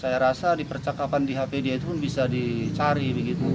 saya rasa di percakapan di hp dia itu pun bisa dicari